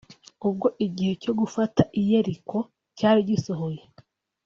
ubwo igihe cyo gufata i yeriko cyari gisohoye